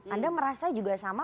anda merasa juga sama